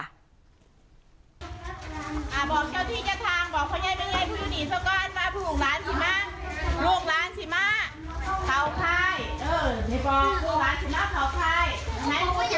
อ่าบอกเจ้าที่จะทางบอกคนใหญ่เป็นใคร